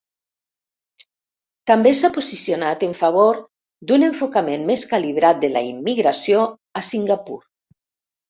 També s'ha posicionat en favor d'un enfocament més calibrat de la immigració a Singapur.